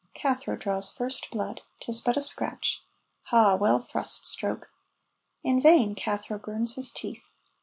Cathro draws first blood. 'Tis but a scratch. Ha! well thrust, Stroke. In vain Cathro girns his teeth.